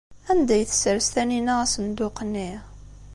Anda ay tessers Taninna asenduq-nni?